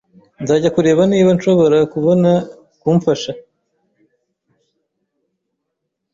Nzajya kureba niba nshobora kubona kumfasha.